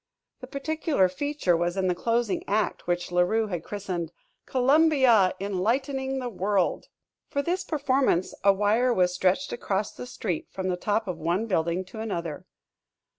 The particular feature was in the closing act which La Rue had christened "Columbia Enlightening the World." For this performance a wire was stretched across the street from the top of one building to another.